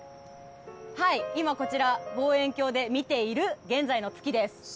こちら、望遠鏡で見ている現在の月です。